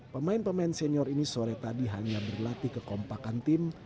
pemain pemain senior ini sore tadi hanya berlatih kekompakan tim